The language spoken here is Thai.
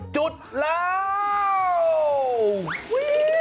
จุดแล้ว